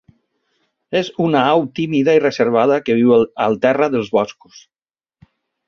És una au tímida i reservada, que viu al terra dels boscos.